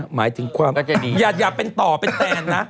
หมายถึงความอย่าเป็นต่อเป็นแตนนะ